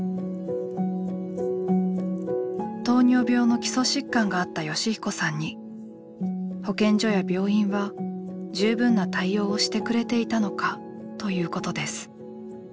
糖尿病の基礎疾患があった善彦さんに保健所や病院は十分な対応をしてくれていたのかということです。